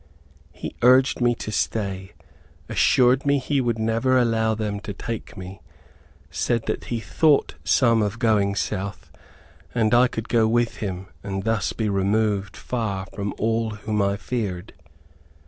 He urged me to stay, assured me he would never allow them to take me, said that he thought some of going south, and I could go with him, and thus be removed far from all whom I feared.